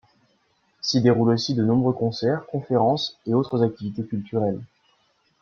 S'y déroulent aussi de nombreux concerts, conférences et autres activités culturelles.